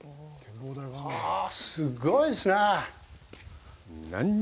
はぁ、すごいですね。